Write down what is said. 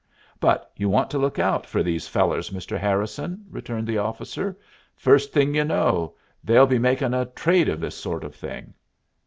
"But you want to look out for these fellers, Mr. Harrison," returned the officer. "First thing you know they'll be makin' a trade of this sort of thing."